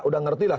udah ngerti lah